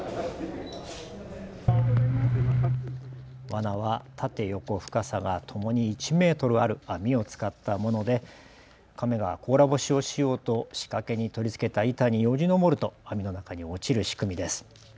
わなは縦横、深さがともに１メートルある網を使ったものでカメが甲羅干しをしようと仕掛けに取り付けた板によじのぼると網の中に落ちる仕組みです。